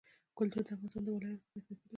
کلتور د افغانستان د ولایاتو په کچه توپیر لري.